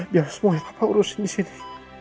biar semua yang papa urusin disini